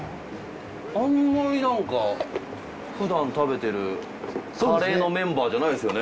あんまりなんかふだん食べてるカレーのメンバーじゃないですよね？